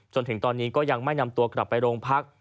จนถึงตอนนี้ก็ยังไม่นำตัวกลับไปโรงพัก